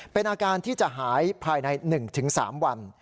เป็นอาการที่จะหายภายใน๑๓วัน